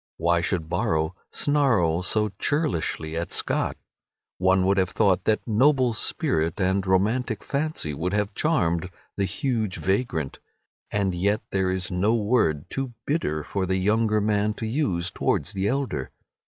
Why should Borrow snarl so churlishly at Scott? One would have thought that noble spirit and romantic fancy would have charmed the huge vagrant, and yet there is no word too bitter for the younger man to use towards the elder.